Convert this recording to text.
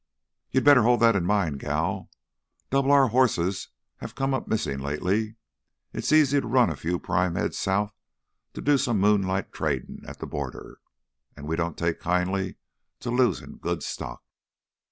"You'd better hold that in mind, gal. Double R hosses have come up missin' lately. It's easy to run a few prime head south to do some moonlight tradin' at th' border. An' we don't take kindly to losin' good stock!"